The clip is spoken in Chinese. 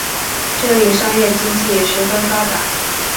这里商业经济也十分发达。